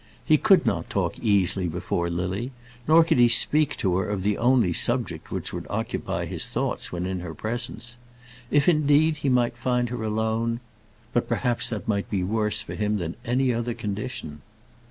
He could not talk easily before Lily, nor could he speak to her of the only subject which would occupy his thoughts when in her presence. If indeed, he might find her alone But, perhaps that might be worse for him than any other condition.